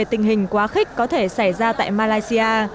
tình hình quá khích có thể xảy ra tại malaysia